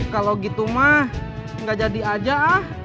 kalau gitu mah nggak jadi aja ah